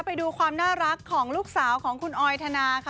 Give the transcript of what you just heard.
ไปดูความน่ารักของลูกสาวของคุณออยธนาค่ะ